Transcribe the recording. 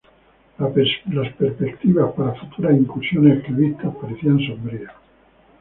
Las perspectivas para futuras incursiones esclavistas parecían sombrías.